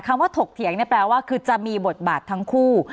ว่าถกเถียงเนี่ยแปลว่าคือจะมีบทบาททั้งคู่